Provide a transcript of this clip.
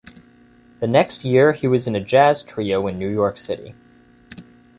The next year he was in a jazz trio in New York City.